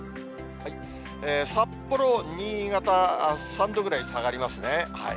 札幌、新潟、３度ぐらい下がりますね。